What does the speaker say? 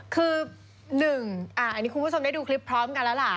คือ๑อันนี้คุณผู้ชมได้ดูคลิปพร้อมกันแล้วล่ะ